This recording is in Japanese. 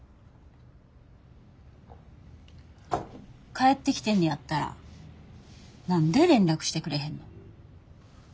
帰ってきてんねやったら何で連絡してくれへんの？